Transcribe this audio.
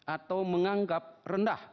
atau menganggap rendah